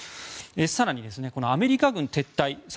更に、アメリカ軍撤退